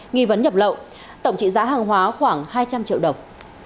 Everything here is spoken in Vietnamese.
nghi vấn nhập lậu tổng trị giá hàng hóa khoảng hai trăm linh triệu đồng